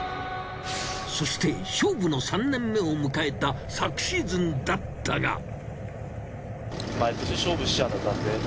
そして勝負の３年目を迎えた昨シーズンだったのだが。